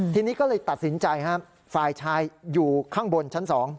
ทีนี้ก็เลยตัดสินใจฝ่ายชายอยู่ข้างบนชั้น๒